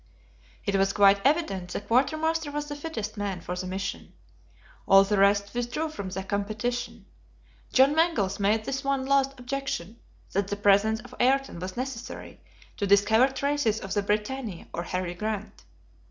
It was quite evident the quartermaster was the fittest man for the mission. All the rest withdrew from the competition. John Mangles made this one last objection, that the presence of Ayrton was necessary to discover traces of the BRITANNIA or Harry Grant.